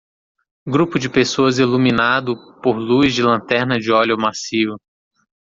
Grupo de pessoas, iluminado por luz de lanterna de óleo macio.